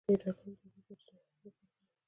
فیوډالانو طبیعي سرچینې هم خپل ملکیت ګاڼه.